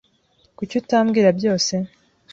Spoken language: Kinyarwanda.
Kuki utambwira byose?